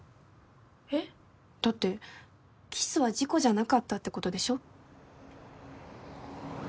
えっ？だってキスは事故じゃなかったってことでしょ？